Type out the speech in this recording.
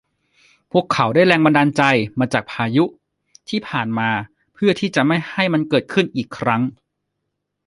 พวกเขาได้แรงบันดาลใจมาจากพายุที่ผ่านมา เพื่อที่จะไม่ให้มันเกิดขึ้นอีกครั้ง